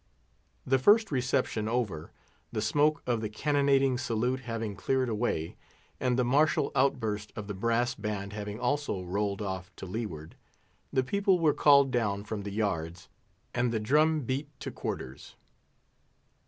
The first reception over, the smoke of the cannonading salute having cleared away, and the martial outburst of the brass band having also rolled off to leeward, the people were called down from the yards, and the drum beat to quarters.